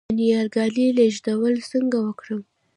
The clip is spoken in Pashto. د نیالګي لیږدول څنګه وکړم؟